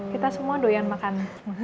kita semua doyan makan